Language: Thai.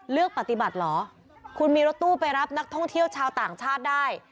เลือกปฏิบัติเหรอคุณมีรถตู้ไปรับนักท่องเที่ยวชาวต่างชาติได้